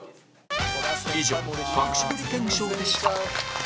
以上隠し撮り検証でした